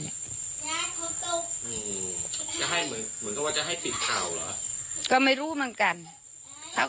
จะให้เหมือนกันว่าจะให้ผิดข่าวเหรอ